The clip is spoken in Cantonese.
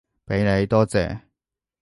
畀你，多謝